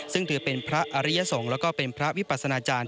ซึ่งถือเป็นพระอริยสงฆ์แล้วก็เป็นพระวิปัสนาจารย์